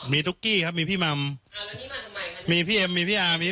มีตุ๊กกี้ครับมีพี่มัมอ่าแล้วนี่มาทำไมมีพี่เอ็มมี